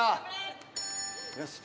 よし。